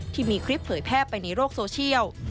ที่มีคลิปเผยแพร่ไปในโลกโซเชียล